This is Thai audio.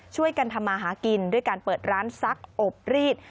ช่วยกันทำมาหากินด้วยการเปิดร้านซักอบรีด